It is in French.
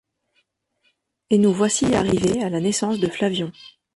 Et nous voici arrivés à la naissance de Flavion.